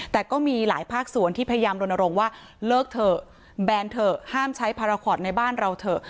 แต่ก็มีหลายภาคส่วนที่พยายามรณรงค์ว่าเลิกเถอะแบนเถอะห้ามใช้พาราคอตในบ้านเราเถอะ